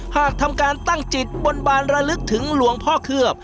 หากทำการตั้งจิตบนบานระลึกถึงหลวงพ่อเคลือบ